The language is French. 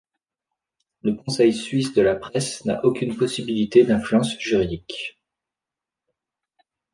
Le Conseil suisse de la presse n’a aucune possibilité d’influence juridique.